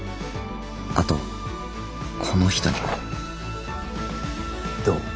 あとこの人にもどう？